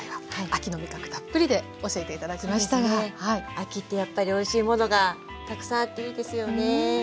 秋ってやっぱりおいしいものがたくさんあっていいですよね。